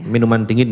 minuman dingin ya